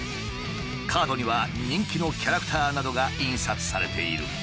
カードには人気のキャラクターなどが印刷されている。